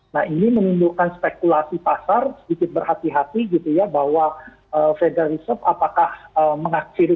nah ini menunjukkan spekulasi pasar sedikit berhati hati gitu ya bahwa federal reserve apakah mengakhiri